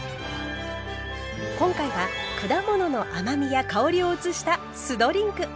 今回は果物の甘みや香りを移した酢ドリンク。